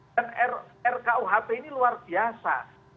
dan rkuhp ini luar biasa